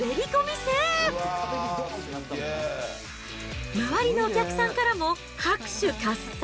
周りのお客さんからも、拍手喝采。